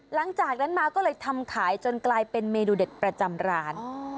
หลังจากนั้นมาก็เลยทำขายจนกลายเป็นเมนูเด็ดประจำร้าน